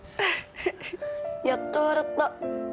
やっと笑った。